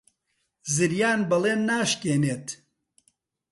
زریان بەڵێن ناشکێنێت.